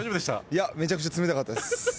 いや、めちゃくちゃ冷たかったです。